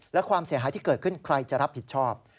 และความเสียหายที่เกิดขึ้นใครจะรับผิดชอบ